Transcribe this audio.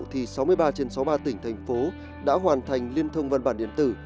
thì sáu mươi ba trên sáu mươi ba tỉnh thành phố đã hoàn thành liên thông văn bản điện tử